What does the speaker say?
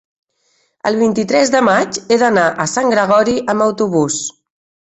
el vint-i-tres de maig he d'anar a Sant Gregori amb autobús.